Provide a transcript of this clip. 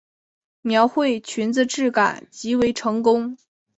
描绘裙子质感极为成功